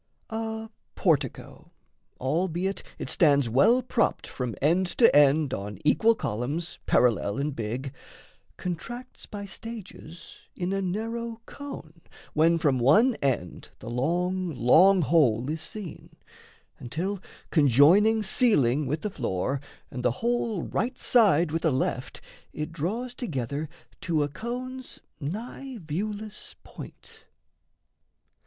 A portico, Albeit it stands well propped from end to end On equal columns, parallel and big, Contracts by stages in a narrow cone, When from one end the long, long whole is seen, Until, conjoining ceiling with the floor, And the whole right side with the left, it draws Together to a cone's nigh viewless point.